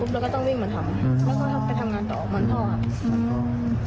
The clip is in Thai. แล้วเขาก็ไปทำงานต่อวันนี้